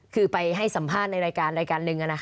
คือไปให้สัมภาษณ์ในรายการ๑นะคะ